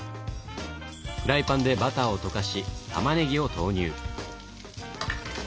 フライパンでバターを溶かしたまねぎを投入。